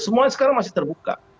semua sekarang masih terbuka